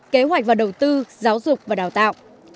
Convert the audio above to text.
kế hoạch và đầu tư giáo dục và đào tạo